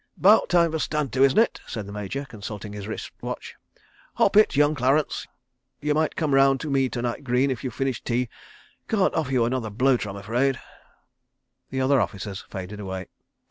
"'Bout time for Stand to, isn't it?" said the Major, consulting his wrist watch. "Hop it, young Clarence. ... You might come round with me to night, Greene, if you've finished tea. ... Can't offer you another bloater, I'm afraid. ..." The other officers faded away.